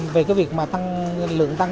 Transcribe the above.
về cái việc mà lượng tăng